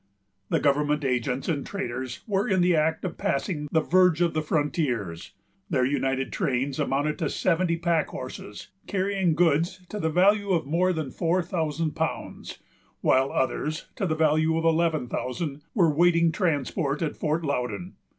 The government agents and traders were in the act of passing the verge of the frontiers. Their united trains amounted to seventy pack horses, carrying goods to the value of more than four thousand pounds; while others, to the value of eleven thousand, were waiting transportation at Fort Loudon.